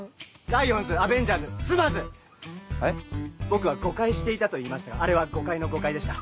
僕は誤解していたと言いましたがあれは誤解の誤解でした。